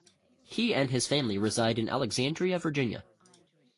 He and his family reside in Alexandria, Virginia.